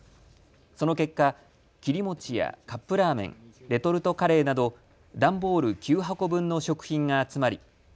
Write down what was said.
その結果切り餅やカップラーメン、レトルトカレーなど段ボール９箱分の食品が集まり